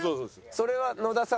それは野田さん